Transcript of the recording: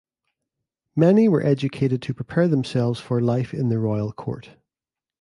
Many were educated to prepare themselves for life in the royal court.